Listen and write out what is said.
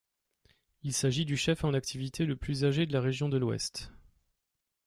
Il s'agit du chef en activité le plus âgé de la région de l'Ouest.